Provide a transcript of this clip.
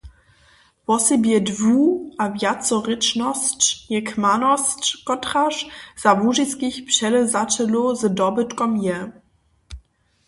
Wosebje dwu- a wjacerěčnosć je kmanosć, kotraž za łužiskich předewzaćelow z dobytkom je.